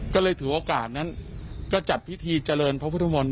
ก็เลยถือโอกาสนั้นก็จัดพิธีเจริญพระพุทธมนต